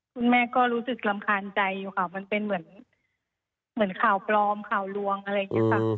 คุณแม่ก็รู้สึกรำคาญใจอยู่ค่ะมันเป็นเหมือนข่าวปลอมข่าวลวงอะไรอย่างนี้ค่ะ